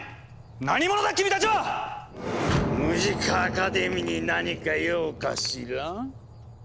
何者だ君たちは⁉ムジカ・アカデミーに何か用かしら？